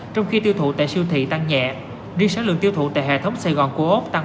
trong khi tiêu thụ tại siêu thị tăng nhẹ riêng sở lượng tiêu thụ tại hệ thống sài gòn của ốc tăng ba mươi